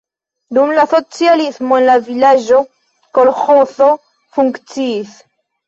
Dum la socialismo en la vilaĝo kolĥozo funkciis.